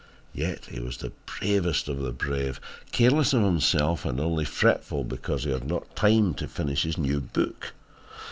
Yet he was the bravest of the brave, careless of himself and only fretful because he had not time to finish his new book.